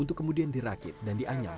untuk kemudian dirakit dan dianyam